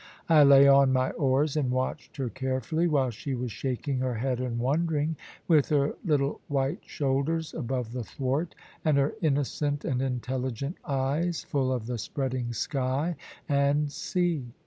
I lay on my oars and watched her carefully, while she was shaking her head and wondering, with her little white shoulders above the thwart, and her innocent and intelligent eyes full of the spreading sky and sea.